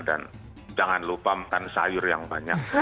dan jangan lupa makan sayur yang banyak